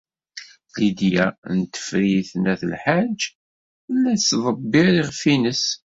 Lidya n Tifrit n At Lḥaǧ tella tettḍebbir iɣef-nnes.